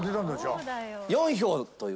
４票という。